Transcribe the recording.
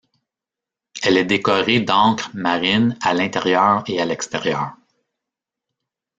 Elle est décorée d'ancres marines à l'intérieur et à l'extérieur.